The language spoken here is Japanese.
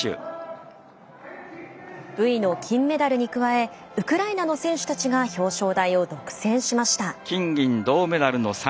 ブイの金メダルに加えウクライナの選手たちが表彰台を独占しました。